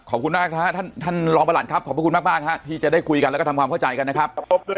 ขอบคุณมากท่านลองประหลัดครับขอบคุณมากที่จะได้คุยกันและทำความเข้าใจกันนะครับ